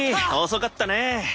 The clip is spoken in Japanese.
遅かったね。